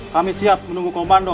kami siap menunggu komando